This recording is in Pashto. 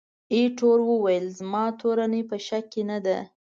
ایټور وویل، زما تورني په شک کې نه ده.